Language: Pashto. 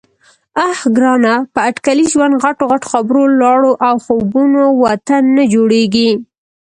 _اه ګرانه! په اټکلي ژوند، غټو غټو خبرو، لاړو او خوبونو وطن نه جوړېږي.